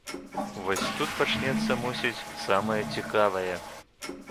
Вось тут пачнецца, мусіць, самае цікавае.